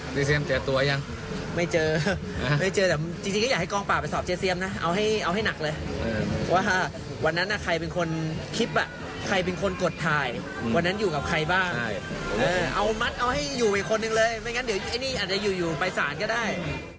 เจสเซียมเจอตัวยังไม่เจออ่าไม่เจอแต่จริงจริงก็อยากให้